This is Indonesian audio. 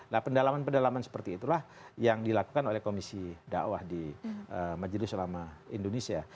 nah pendalaman pendalaman seperti itulah yang dilakukan oleh komisi ⁇ dawah di majelis ulama indonesia